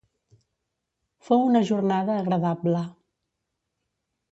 Fou una jornada agradable